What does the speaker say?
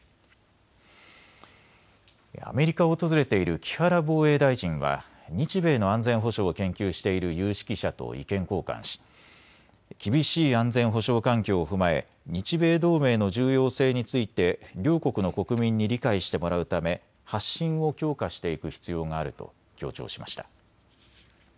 アメリカを訪れている木原防衛大臣は日米の安全保障を研究している有識者と意見交換し厳しい安全保障環境を踏まえ日米同盟の重要性について両国の国民に理解してもらうため発信を強化していく必要があると強調しました。